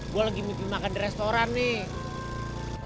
gue lagi mimpi makan di restoran nih